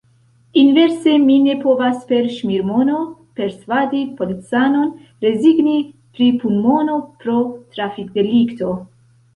Inverse mi ne povas per ŝmirmono persvadi policanon rezigni pri punmono pro trafikdelikto.